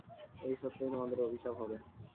এই সত্যই তোমাদের অভিশাপ হবে।